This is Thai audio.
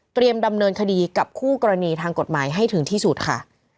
ดำเนินคดีกับคู่กรณีทางกฎหมายให้ถึงที่สุดค่ะ